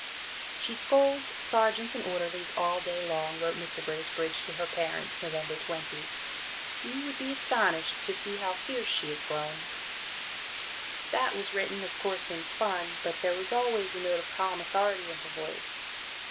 "She scolds sergeants and orderlies all day long," wrote Mr. Bracebridge to her parents (Nov. 20); "you would be astonished to see how fierce she is grown." That was written, of course, in fun; but there was always a note of calm authority in her voice.